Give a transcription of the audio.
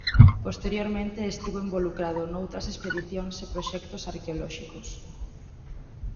Posteriormente estivo involucrado noutras expedicións e proxectos arqueolóxicos.